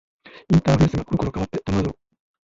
インターフェースがころころ変わって戸惑う